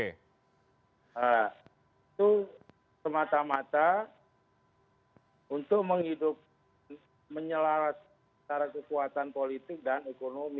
itu semata mata untuk menyelamatkan kekuatan politik dan ekonomi